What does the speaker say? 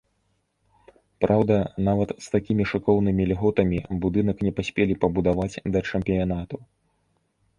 Праўда, нават з такімі шыкоўнымі льготамі будынак не паспелі пабудаваць да чэмпіянату.